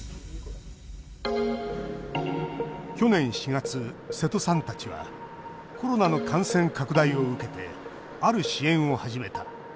去年４月、瀬戸さんたちはコロナの感染拡大を受けてある支援を始めた。